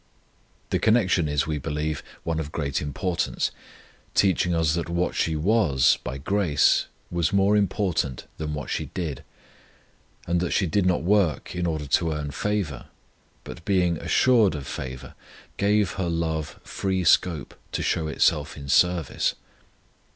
The connection is, we believe, one of great importance, teaching us that what she was (by grace) was more important than what she did; and that she did not work in order to earn favour, but being assured of favour, gave her love free scope to show itself in service.